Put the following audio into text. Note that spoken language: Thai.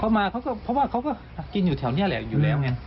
มาเขาก็เพราะว่าเขาก็กินอยู่แถวนี้แหละอยู่แล้วไง